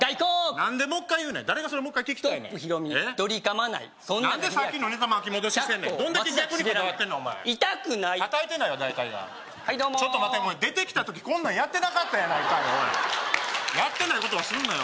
外国誰がそれもう一回聞きたいねんストップひろみドリかまない何でさっきのネタ巻き戻ししてんねんどんだけ逆にこだわってんのお前痛くない叩いてないわ大体がはいどうもちょっと待て出てきた時こんなんやってなかったやないかいおいやってないことはすんなよ